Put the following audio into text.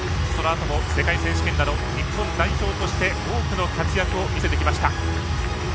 そのあとも世界選手権など日本代表として多くの活躍を見せてきました。